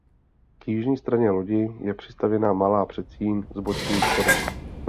K jižní straně lodi je přistavěna malá předsíň s bočním vchodem.